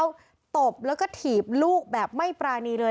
แล้วตบแล้วก็ถีบลูกแบบไม่ปรานีเลย